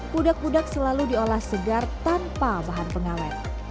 pudak pudak selalu diolah segar tanpa bahan pengawet